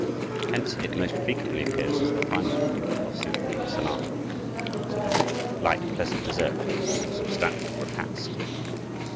Hence it most frequently appears as the final movement of symphony or sonata, a sort of light, pleasant dessert after the more substantial repast.